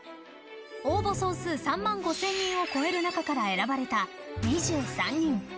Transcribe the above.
応募総数３万５０００人を超える中から選ばれた２３人。